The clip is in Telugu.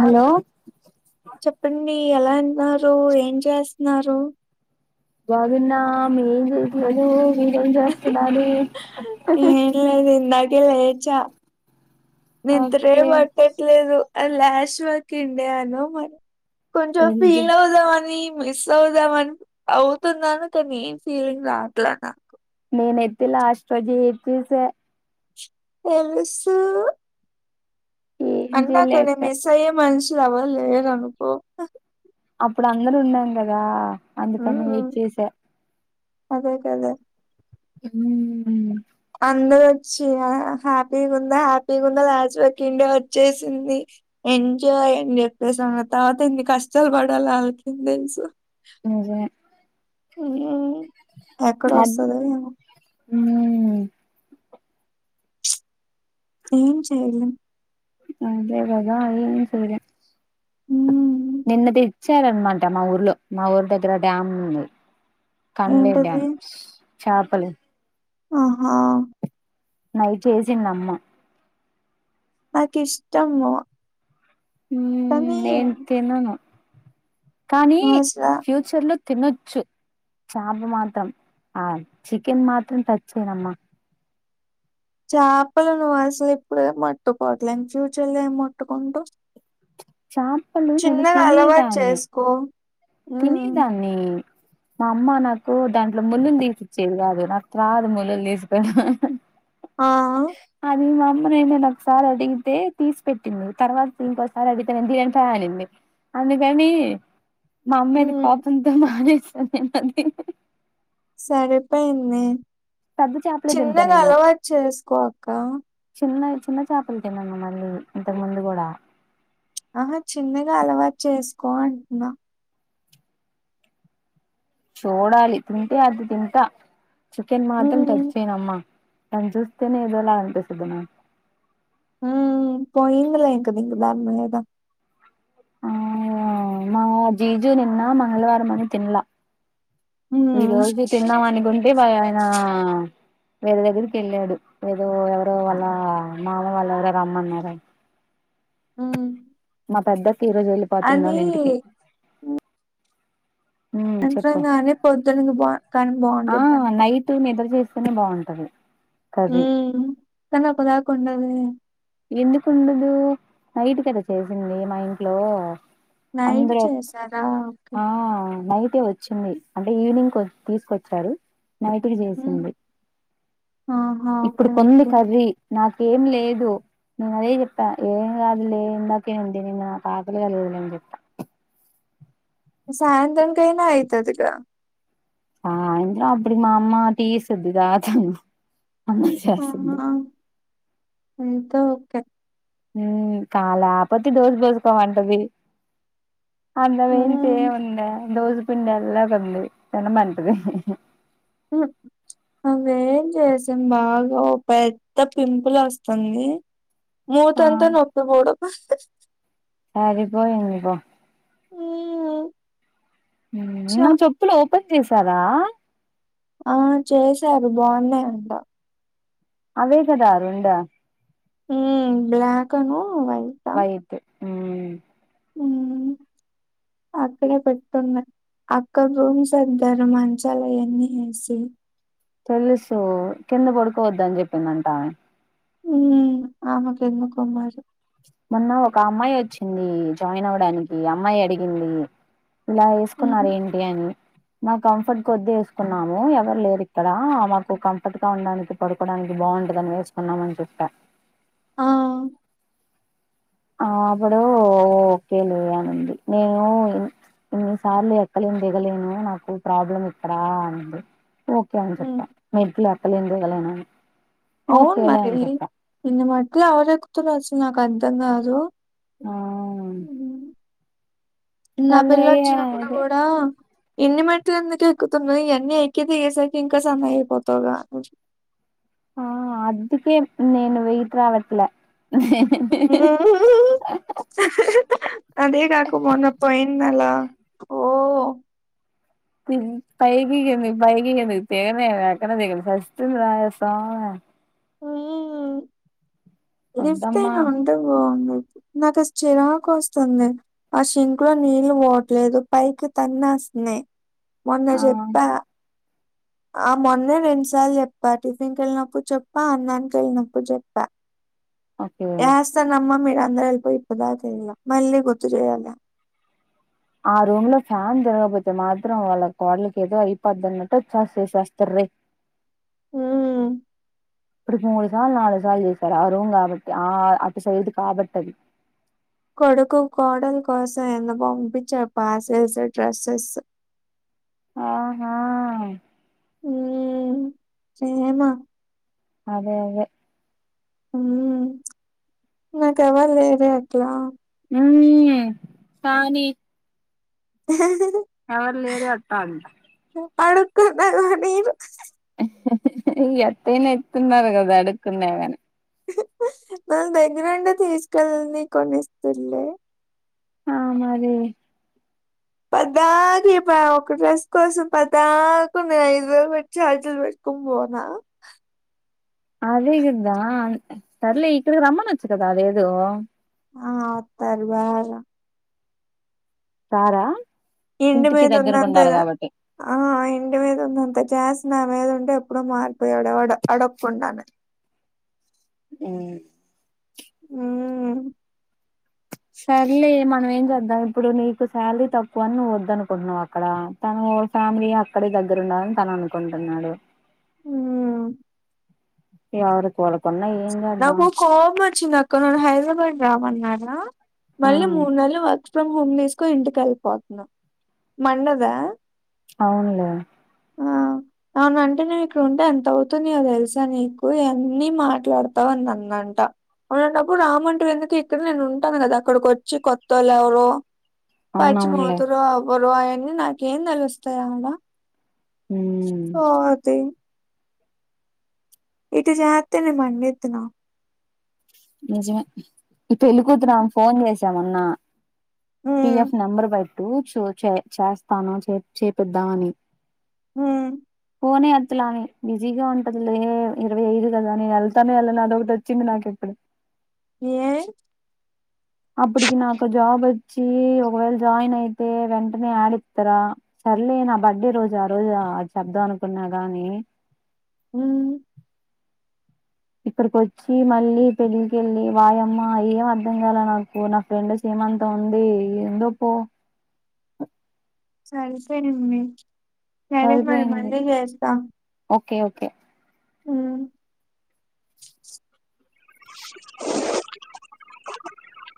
హలో చెప్పండి ఎలాన్నారు ఏం చేస్తన్నారు బాగున్నాం ఏమీ లేదు మీరేం చేస్తున్నారు ఏం లేదు ఇందాకే లెచ నిద్రే ఓకే పట్టట్లేదు ఐ ల్యస్ వర్కింగ్ డే అనో మరి కొంచం ఏం చే ఫీల్ అవుదామని మిస్ అవుదామని అవుతున్నాను కానీ ఏం ఫీలింగ్ రావట్ల నాకు నేనయితే లాస్ట్రోజే ఏడ్చేసా తెలుస్సు ఏం అన్న కానీ చేయలేక మీస్సయ్యే మనుషులు ఎవరు లేరనుకో అప్పుడందరున్నాం కదా అందుకని ఉమ్, ఏడ్చేశా అదే కదా హ్మ్ అందరు వచ్చిన హ్యాపీ గుందా హ్యాపీ గుందా లాస్ట్ వర్కింగ్ డే వచ్చేసింది ఎంజాయ్ అని చెప్పేసంగ తర్వాత ఎన్ని కష్టాలు పడాలా అళ్ళకేం తెలుసు నిజమే హ్మ్ ఎక్కడోస్తదో ఏమో హ్మ్ ఏం చేయలేం అదే కదా ఏమీ చేయలేం ఊ నిన్న దెచ్చారనమాట మా ఊర్లో మా ఊరి దగ్గర డ్యామ్ ఉంది కంలే ఏంటది డ్యామ్ చాపలు ఆహా నై చేసిందమ్మ నాకిష్టము ఉ నేన్ తినను కానీ నువ్వు అసలు ఫ్యూచర్ లో తినొచ్చు చాంపు మాత్రం ఆ చికెన్ మాత్రం టచ్ చేయనమ్మా చాపలను అసలు ఇప్పుడే మట్టుకోవట్లేని ఫ్యూచర్ లో ఏం ముట్టుకుంటవ్ చేపలు చిన్నగా అలవాటు చేసుకో తిని ఉమ్, దాన్ని మా అమ్మ నాకు దాంట్లో ముల్లుళ్లు తీసిచ్చేది కాదు నాక్ రాదు ముల్లుళ్లు తీస్కోడం ఆ అది మా నేను నేను ఒకసారి అడిగితే తీసి పెట్టింది తర్వాత ఇంకోసారి అడిగితే నేన్ తియ్యను పా అనింది అందుకని మా అమ్మ మీద ఉమ్, కోపంతో మానేసా నెన్ అది సరిపోయింది పెద్ద చేపలే తింటా చిన్నగా నేను అలవాటు చేసుకోక్క చిన్న చిన్న చేపలు తిన్న నే మళ్ళీ ఇంతకు ముందు కూడా అహ చిన్నగా అలవాటు చేసుకో అంటున్నా చూడాలి తింటే అది తింటా చికెన్ మాత్రం టచ్ హ్మ్. చేయనమ్మా దాన్ చూస్తేనే ఏదోలా అనిపిస్తది మ ఉ పోయింది లె ఇంక నీకు దాని మీద ఆ మా జీజు నిన్న మంగళవారం అని తిన్లా ఈ హ్మ్. రోజు తిన్నామనికుంటే వ ఆయనా వేరే దగ్గరికి వెళ్ళాడు ఏదో ఎవరో వాళ్ళ మామ వాళ్ళ ఎవరో రమ్మన్నారా ఊ ఈరోజ ఎల్లిపోతున్నారు ఇంటికి ఉమ్ అంట్రం చెప్పు గాని పొద్దునకు బా కన్ ఆ నైట్ నిద్ర చేస్తేనే బాగుంటది కర్రీ కని అప్పుదాకఉండదే ఎందుకుండదు నైట్ కదా చేసింది మా ఇంట్లో నైట్ ఆంధ్రు చేశారా? ఓకే. ఆ నై అయితే వచ్చింది అంటే ఈవినింగ్ కొ తీసుకొచ్చారు నైట్ కి హ్మ్. చేసింది ఆహా! ఇప్పుడు ఓకే. కొంది ఓకే. కర్రి నాక్ ఏం లేదు నేను అదే చెప్పా ఏం కాదులే ఇందాకే నేను తినినా ఆకలి కా అని చోప సాయంత్రంకైన అయితదిగా ఆ ఆయిద్రా అప్పుడకి మా అమ్మా టీ ఇస్తాదిగా తాగుతాను అమ్మే చేస్తుంది తో ఓకే ఉమ్ క లేకపోతే దోశ పోసుకోమంటుంది అంత వేన్ంచ హ్మ్. ఉన్నా దోశ పిండి ఎలా ఉంది తినమంటది ఉ అవేం చేసాం బాగా ఓ పెద్ద పింపుల్ వస్తుంది ఆ మూతంతా నొప్పికుడా సరిపోఇంది పో మ్మ్ చ మ్ నా చెప్పులు ఓపెన్ చేసారా ఆ చేశారు బాగున్నాయంట అవే కద రెండు మ్ బ్లాకను వైపు మ్మ్ అక్కడే పెట్టున్నయ్ అక్కడ రూమ్ సర్దారు మంచాలయన్నీ వేసి తెలుసు కింద పడుకోవద్దని చెప్పిందంట ఆమె మ్ ఆమెకు ఎందుకో మరి మొన్న ఒక అమ్మాయి వచ్చింది జాయిన్ అవ్వడానికి అమ్మాయి అడిగింది ఇలా ఏసుకున్నారు మ్మ్ ఏంటి అని మ కంఫర్ట్ కొద్దీ వేసుకున్నాము ఎవరు లేరు ఇక్కడ మాకు కంఫర్ట్ గా ఉండడానికి పడుకోవడానికి బా బాగుంటదని వేసుకున్నామని చెప్పా ఆ ఆ అప్పుడు ఓకేలే అనింది నేను ఇన్ని సార్లు ఎక్కలేను దిగలేను నాకు ప్రాబ్లం ఇక్కడ అనింది ఓకే అని మ్మ్ చెప్పా మేట్లు ఎక్కలేను దిగలేను అని అవును ఓకేలే మరి అని చెప్పా ఇంగ మెట్లు ఎవరెకుతున్నార్ అసలు నాకు అర్థం కాదు ఆ నిన్న ఆ అసలే పిళ్ల వచ్చినప్పుడు అదే కూడా ఇన్ని మేట్లు ఎందుకు ఎక్కుతున్నావ్ ఇవన్నీ ఎక్కిదిగేసరికి ఇంకా సన్నగ అయిపోతావుగా ఆ అందుకే నేను వెట్ రావట్లే అదేగక మొన్న పోయిన నెల ఓ పైకి కిందికి పైకి కిందికి త్ ఎక్కడం దిగడం సస్తుంది ర సామీ మ్ లిఫ్ట్ వద్దమ్మా అయినా ఉంటే బాగుండు నాకు చిరకు వస్తుంది ఆ సింక్ లో నీళ్లు పోట్లేదు పైకి తన్నేస్ స్ మొన్న ఆ చెప్ప ఆ మొన్నే రెండుసార్లు చెప్పా టిఫిన్కి వెళ్ళినప్పుడు చెప్ప అన్నానికి వెళ్ళినప్పుడు చెప్పా ఓకే ఎస్తనమ్మ మీరందరు ఎల్లిపోయి ఇప్పుదాక ఎయలే మళ్ళీ గుర్తు చేయాల్ల ఆ రూమ్ లో ఫ్యాన్ తిరగకపోతే మాత్రం వాళ్ళ కోడలుకు ఏదో అయిపోద్న్నట్టు చేసేస్తార్రోయ్ మ్ ఇప్పటికి మూడు సార్ నాలుగు సార్ చేసారు ఆ రూమ్ కాబట్టి ఆ అటు సైడ్ కాబట్టది కొడుకు కోడలు కోసం ఎందో పంపించారు పార్సెల్స్ డ్రెస్సెస్ ఆహా మ్ చెము అదే అదే మ్ నాకేవల్ లేరే అట్ల మ్ కాని అ ఎవర్ లేరు అటంది అడుక్కున్న కని ఏయారు ఈ అట్టిగనే ఎత్తన్నారు కదా అడుకుందమని మన దగ్గరుండి తీసుకెల్ని కొనిస్తుండే ఆ మది పద్దాక ఇప ఒక డ్రెస్ కోసం పదాకు ఉన్నాను ఐదు వేలు పెట్టి ఛార్జలు పెట్ కుంబోనా అదేగదా సర్లే ఇక్కడకి రమ్మన్చ్చు కదా అదేదో ఆ అత్తర్ బగ రరా ఎండ మీదున్నాంతేనా ఆహ ఎండి మీదున్నంన్నంత జాస్ నామేదుంటే ఎప్పుడో మారిపోయె వాడు అడకుండను ఉమ్ ఉమ్ సర్లే మనం ఏం చేద్దాం ఇప్పుడు నీకు శాలరీ తక్కువని నువ్వు వద్దు అనుకుంటున్నావు అక్కడ తను ఫ్యామిలీ అక్కడే దగ్గర ఉండాలని తన అనుకుంటన్నాడు ఉమ్ ఎవరికి వర నాకు కోపమచ్చింది అక్కనుండి హైదరాబాద్ రమ్మన్నాన ఆ మళ్ళీ మూడ్ నెల్లు వచ్ ఫ్రమ్ హోమ్ తీసుకోని ఇంటికెల్ పోతున్నా మండదా అవునులే అవనంటే నేను ఇక్కడ ఉంటే ఎంత అవుతున్నాయో తెలుసా నీకు అన్నిీ మాట్లాడతావు అనినన్నంట అలంటప్పుడు రామనటం ఎందుకు ఇక్కడ నేను ఉంటాను కదా అక్కడికొచ్చి కొత్తోళ్లెవరో అవునవునులే పచ్చిమూతురు అవ్వరు అయన్నీ నాకేం తెలుస్తాయడ ఆతి ఇట్ట జత్తనే మండిద్ది నా నిజమే ఈ పెళ్లికూతురం ఫోన్ చేసామున్నా హ్మ్ పిఎఫ్ నంబరు బట్టు చు చె చేస్తాను చేపిద్దామని ఉమ్ ఫోనే ఎత్తలామె బిజీగా ఉంటదులే ఇరవై ఐదు కదా నేను వెళ్తానే వెళ్ళనో అదొకటచ్చింది నాకిప్పుడు ఎ అప్పటికి నాకు జాబ్ వచ్చి ఒకవేళ జాయిన్ అయితే వెంటనే యాడ్ ఇత్తరా సర్లే నా బర్త్డే రోజ ఆ రోజ అది చెప్దాం అనుకున్నా గాని ఉమ్ ఇక్కడికొచ్చి మళ్ళీ పెళ్లికెళ్ళి వాయమ్మ ఏం అర్ధం కాల నాకు నా ఫ్రెండ్స్ సి మంతం ఉంది ఎందోపో సరిపే నిమ్మి సరే మరి సరిపోయింది మళ్ళి చేస్తా ఓకే ఓకే ఉమ్